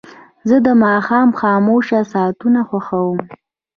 زه د ماښام خاموشه ساعتونه خوښوم.